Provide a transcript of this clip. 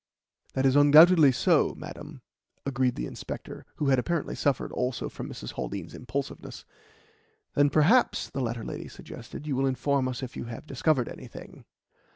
"That is undoubtedly so, madam," agreed the inspector, who had apparently suffered also from Mrs. Haldean's impulsiveness. "Then perhaps," the latter lady suggested, "you will inform us if you have discovered anything."